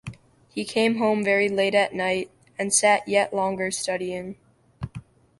He came home very late at night, and sat yet longer studying.